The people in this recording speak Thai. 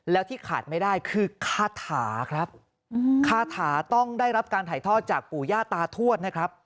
แล้วที่ขาดไม่ได้คือคาถาครับคาถาต้องได้รับการถ่ายทอดจากปู่ย่าตาทวดนะครับ